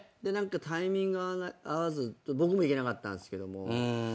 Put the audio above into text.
タイミング合わず僕も行けなかったんすけど。